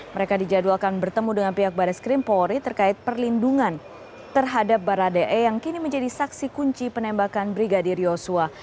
mereka dijadwalkan bertemu dengan pihak baris krimpori terkait perlindungan terhadap barade e yang kini menjadi saksi kunci penembakan brigadir yosua